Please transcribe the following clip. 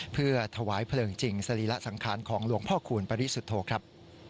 เพื่อถวายเพลิงจริงสรีระสังขารของหลวงพ่อคูณปริสุทธโธครับ